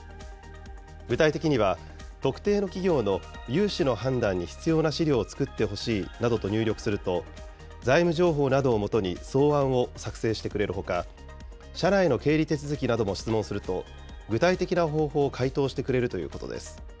具体的には、特定の企業の融資の判断に必要な資料を作ってほしいなどと入力すると、財務情報などをもとに草案を作成してくれるほか、社内の経理手続きなども質問すると、具体的な方法を回答してくれるということです。